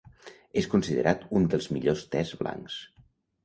És considerat un dels millors tes blancs.